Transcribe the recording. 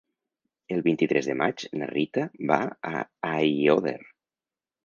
El vint-i-tres de maig na Rita va a Aiòder.